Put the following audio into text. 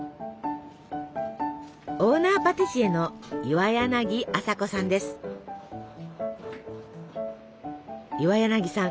オーナーパティシエの岩柳さん